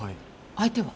相手は？